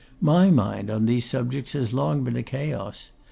My mind on these subjects has long been a chaos.